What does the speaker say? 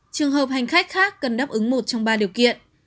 trường hợp hành khách khác cần đáp ứng một trong ba điều kiện